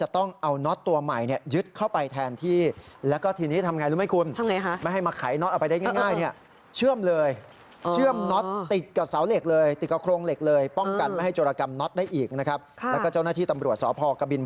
เพราะว่าเสาโครงเหล็กอุปกรณ์แล้วก็อะไร